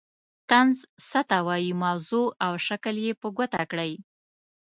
طنز څه ته وايي موضوع او شکل یې په ګوته کړئ.